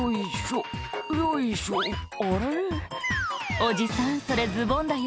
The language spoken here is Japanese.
おじさんそれズボンだよ